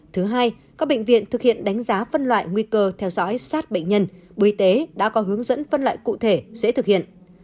thứ hai các bệnh viện thực hiện đánh giá phân loại nguy cơ theo dõi sát bệnh nhân bộ y tế đã có hướng dẫn phân loại cụ thể dễ thực hiện